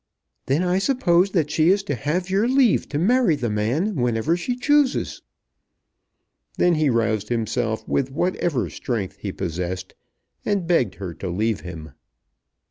"Then I suppose that she is to have your leave to marry the man whenever she chooses!" Then he roused himself with whatever strength he possessed, and begged her to leave him.